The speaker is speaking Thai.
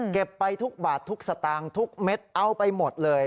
ไปทุกบาททุกสตางค์ทุกเม็ดเอาไปหมดเลย